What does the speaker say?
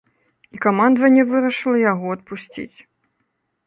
І камандаванне вырашыла яго адпусціць.